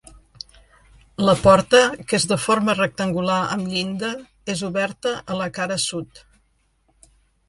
La porta, que és de forma rectangular amb llinda, és oberta a la cara sud.